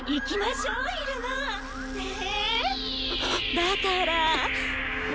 だからね。